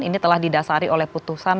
ini telah didasari oleh putusan